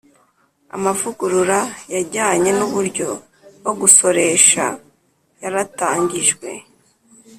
amavugurura yajyanye n'uburyo bwo gusoresha yaratangijwe,